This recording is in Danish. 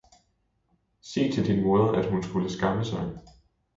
Sig til din moder, at hun skulle skamme sig!